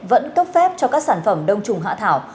vẫn cấp phép cho các sản phẩm đông trùng hạ thảo